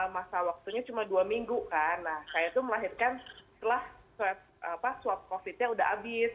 masa waktunya cuma dua minggu kan nah saya tuh melahirkan setelah swab covid nya udah habis